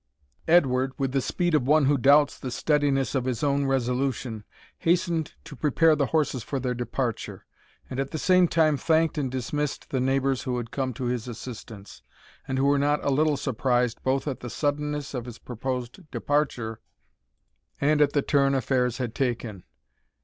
Edward, with the speed of one who doubts the steadiness of his own resolution, hastened to prepare the horses for their departure, and at the same time thanked and dismissed the neighbours who had come to his assistance, and who were not a little surprised both at the suddenness of his proposed departure, and at the turn affairs had taken.